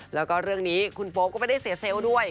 แล้วก็เรื่องนี้คุณโป๊ปก็ไม่ได้เสียเซลล์ด้วย